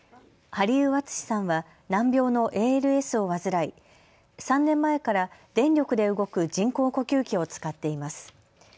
針生惇さんは難病のＡＬＳを患い３年前から電力で動く人工呼吸器を使っています。